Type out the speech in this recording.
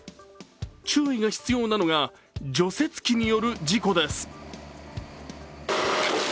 注意が必要なのが除雪機による事故です。